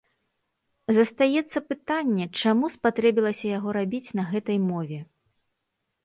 Застаецца пытанне, чаму спатрэбілася яго рабіць на гэтай мове?